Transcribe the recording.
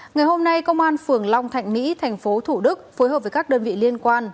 ngày hôm nay công an phường long thạnh mỹ tp thủ đức phối hợp với các đơn vị liên quan